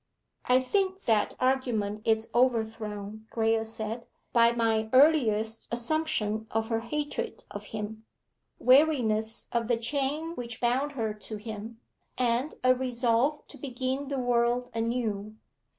'I think that argument is overthrown,' Graye said, 'by my earliest assumption of her hatred of him, weariness of the chain which bound her to him, and a resolve to begin the world anew.